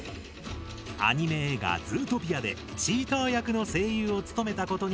アニメ映画「ズートピア」でチーター役の声優を務めたことに